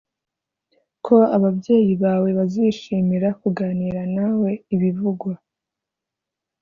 Ko ababyeyi bawe bazishimira kuganira nawe ibivugwa